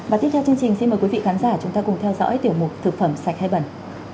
và tiếp theo chương trình xin mời quý vị khán giả chúng ta cùng theo dõi tiểu mục thực phẩm sạch hai bẩn